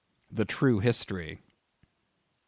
"The True History."